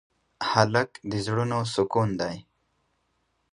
هلک د زړونو سکون دی.